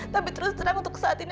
tapi terus terang untuk saat ini